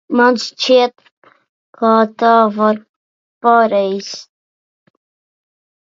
Man šķiet, ka tā nav pareizi.